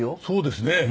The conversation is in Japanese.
そうですね。